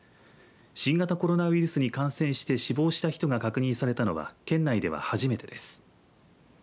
新型コロナウイルスに感染して死亡した人が確認されたのは県内では初めてです。